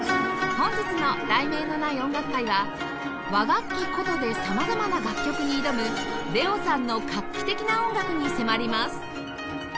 本日の『題名のない音楽会』は和楽器箏で様々な楽曲に挑む ＬＥＯ さんの画期的な音楽に迫ります